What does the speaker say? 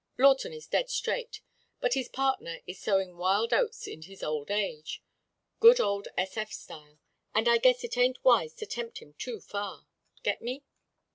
Lawton is dead straight, but his partner is sowing wild oats in his old age good old S.F. style, and I guess it ain't wise to tempt him too far. Get me?"